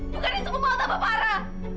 bukan ini semua mau tambah parah